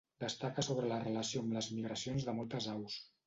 Destaca sobre la relació amb les migracions de moltes aus.